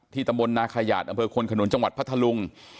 ที่ตำลวนนาขยาตน์อำเภอโคนขนนุนจังหวัดพะทลุง